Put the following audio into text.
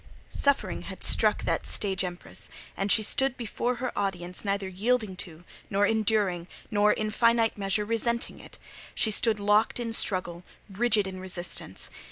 Suffering had struck that stage empress; and she stood before her audience neither yielding to, nor enduring, nor, in finite measure, resenting it: she stood locked in struggle, rigid in resistance.